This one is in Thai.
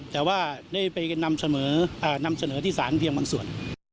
แต่ว่าได้ไปนำเสนอที่สารที่เพียงบางส่วน